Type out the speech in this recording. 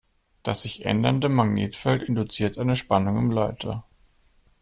Das sich ändernde Magnetfeld induziert eine Spannung im Leiter.